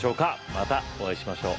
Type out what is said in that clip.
またお会いしましょう。